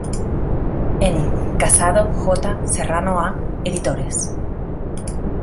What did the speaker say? En: Casado J, Serrano A, editores.